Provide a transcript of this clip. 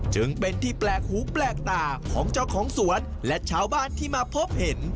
จึงเป็นที่แปลกหูแปลกตาของเจ้าของสวนและชาวบ้านที่มาพบเห็น